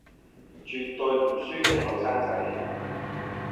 絕對唔輸畀後生仔